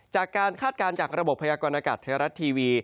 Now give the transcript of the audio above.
จากการคาดการณ์จากระบบพยากรณ์อากาศเทศรัทย์ทีวี